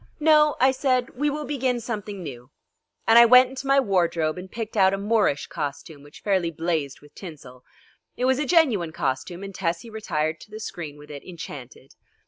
"No," I said, "we will begin something new;" and I went into my wardrobe and picked out a Moorish costume which fairly blazed with tinsel. It was a genuine costume, and Tessie retired to the screen with it enchanted.